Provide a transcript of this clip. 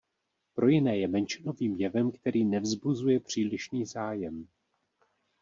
Pro jiné je menšinovým jevem, který nevzbuzuje přílišný zájem.